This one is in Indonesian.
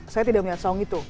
saya tidak melihat saung itu